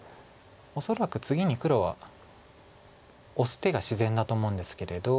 恐らく次に黒はオス手が自然だと思うんですけれど。